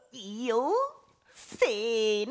せの。